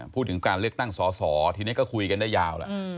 พูดถึงการเลือกตั้งสอสอทีนี้ก็คุยกันได้ยาวแล้ว